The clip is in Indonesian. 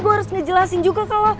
gue harus ngejelasin juga kalau